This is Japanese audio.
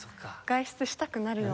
外出したくなるような。